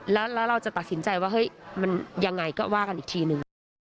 แล้วเราจะตัดสินใจว่าเฮ้ยมันยังไงก็ว่ากันอีกทีนึง